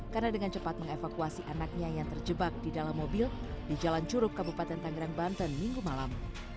karena dengan cepat mengevakuasi anaknya yang terjebak di dalam mobil di jalan curug kabupaten tanggerang banten minggu malam